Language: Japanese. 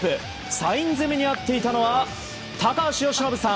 サイン攻めにあっていたのは高橋由伸さん。